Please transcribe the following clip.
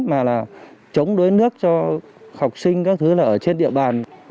mà là chống đối nước cho học sinh các thứ là ở trên địa bàn